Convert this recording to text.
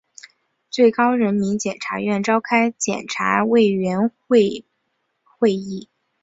最高人民检察院召开检察委员会会议